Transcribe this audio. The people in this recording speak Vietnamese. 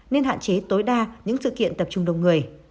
nên hạn chế tối đa những sự kiện tập trung đông người